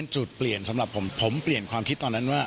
จุดเปลี่ยนสำหรับผมผมเปลี่ยนความคิดตอนนั้นว่า